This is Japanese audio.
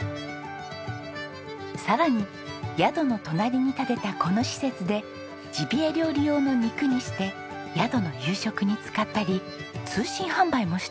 さらに宿の隣に建てたこの施設でジビエ料理用の肉にして宿の夕食に使ったり通信販売もしているんです。